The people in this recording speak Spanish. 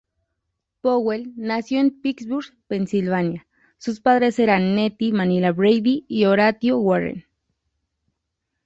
Powell nació en Pittsburgh, Pennsylvania, sus padres eran Nettie Manila Brady y Horatio Warren.